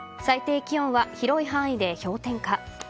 最低気温は広い範囲で氷点下。